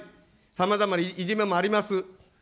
さまざまないじめもあります。